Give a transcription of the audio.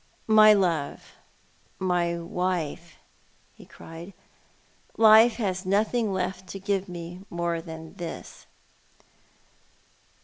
" :\Iy love, my wife," he cried. " Life has nothing left to give me more than this."